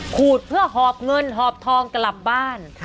ขูดเพื่อหอบเงินหอบทองกลับบ้าน